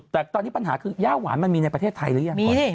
แต่ตอนนี้ปัญหาคือย่าหวานมันมีในประเทศไทยหรือยัง